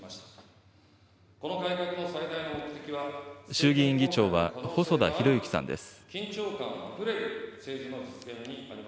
衆議院議長は、細田博之さんです。